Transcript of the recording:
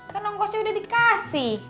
kan ongkosnya udah dikasih